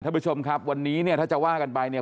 ท่านผู้ชมครับวันนี้เนี่ยถ้าจะว่ากันไปเนี่ย